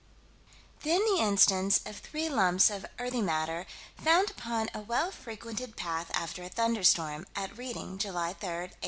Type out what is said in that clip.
Then the instance of three lumps of earthy matter, found upon a well frequented path, after a thunderstorm, at Reading, July 3, 1883.